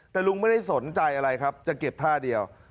แต่ลุงไม่ได้สนใจอะไรครับจะเก็บท่าเดียว